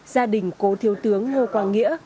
gia đình cố thiếu tướng ngô quang nghĩa